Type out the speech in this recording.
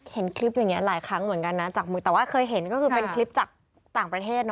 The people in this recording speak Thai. เห็นคลิปอย่างนี้หลายครั้งเหมือนกันนะจากมือแต่ว่าเคยเห็นก็คือเป็นคลิปจากต่างประเทศ